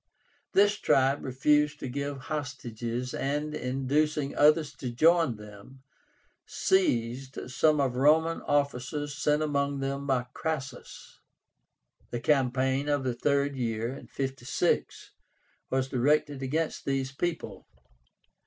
This tribe refused to give hostages, and, inducing others to join them, seized some Roman officers sent among them by Crassus. The campaign of the third year (56) was directed against these people.